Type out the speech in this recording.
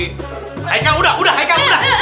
haikal udah udah haikal udah